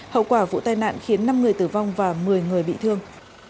hậu quả vụ tai nạn khiến năm người tử vong và một mươi người bị thương